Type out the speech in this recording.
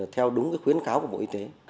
theo đúng khuyến cáo của bộ y tế